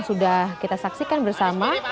sudah kita saksikan bersama